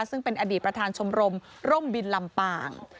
ซึ่งเป็นอดีตประธานชมรมร่มบินลำปาง